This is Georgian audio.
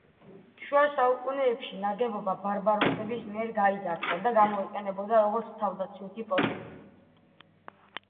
შუა საუკუნეებში, ნაგებობა ბარბაროსების მიერ გაიძარცვა და გამოიყენებოდა როგორც თავდაცვითი პოსტი.